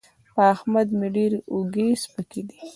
په احمد مې ډېرې اوږې سپکې دي.